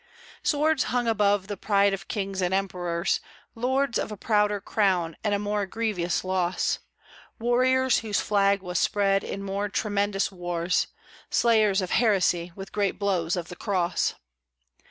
Swords hung above the pride of kings and emperors; Lords of a prouder crown and a more grievious loss; Warriors whose flag was spread in more tremendous wars, Slayers of heresy with great blows of the Cross.